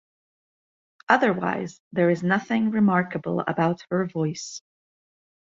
Otherwise there is nothing remarkable about her voice’.